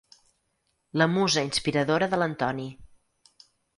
La musa inspiradora de l'Antoni.